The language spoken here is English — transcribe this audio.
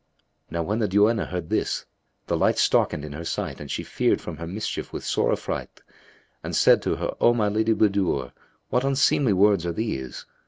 Now when the duenna heard this, the light starkened in her sight and she feared from her mischief with sore affright, and said to her, "O my Lady Budur, what unseemly words are these?"